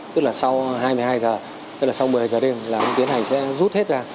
tức là sau hai mươi hai h tức là sau một mươi giờ đêm là ông tiến hành sẽ rút hết ra